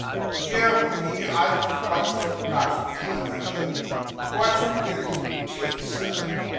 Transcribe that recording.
'Dear me, I quite forgot,' replied the other. 'What will you take, sir?